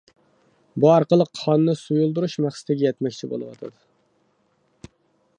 بۇ ئارقىلىق قاننى سۇيۇلدۇرۇش مەقسىتىگە يەتمەكچى بولۇشىدۇ.